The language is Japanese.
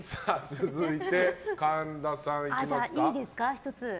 続いて、神田さんいきますか。